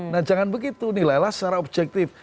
nah jangan begitu nilailah secara objektif